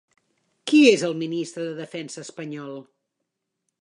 Qui és el ministre de Defensa espanyol?